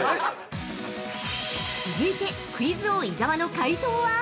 ◆続いてクイズ王・伊沢の解答は？